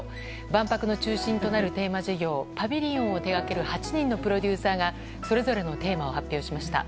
万博の中心となるテーマ事業パビリオンを手掛ける８人のプロデューサーがそれぞれのテーマを発表しました。